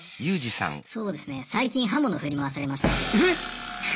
そうですね最近刃物振り回されましたね。